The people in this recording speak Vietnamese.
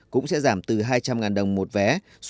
cũng sẽ giảm từ hai trăm linh đồng một vé